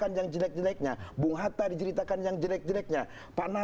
perdebatannya seperti apa